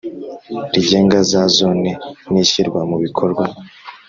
rigenga za Zone n ishyirwa mu bikorwa